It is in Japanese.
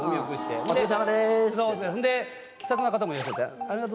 気さくな方もいらっしゃって。